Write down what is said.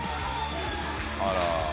あら。